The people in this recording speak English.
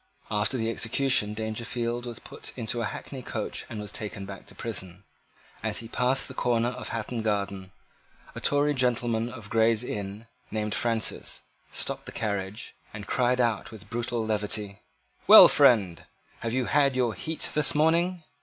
After the execution Dangerfield was put into a hackney coach and was taken back to prison. As he passed the corner of Hatton Garden, a Tory gentleman of Gray's Inn, named Francis, stopped the carriage, and cried out with brutal levity, "Well, friend, have you had your heat this morning?"